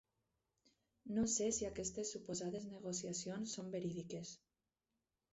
No sé si aquestes suposades negociacions són verídiques.